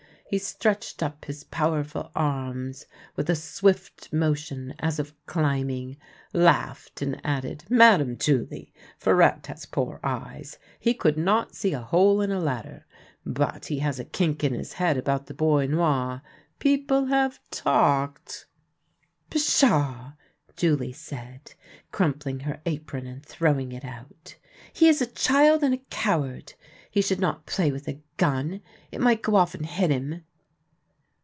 He stretched up his power ful arms, with a swift motion as of climbing, laughed, and added :" Madame Julie, Farette has poor eyes ; he could not see a hole in a ladder. But he has a kink in his head about the Bois Noir. People have talked "" Pshaw !" Julie said, crumpling her apron and throwing it out ;" he is a child and a coward. He PARPON THE DWARF 211 should not play with a gun; it might go off and hit him."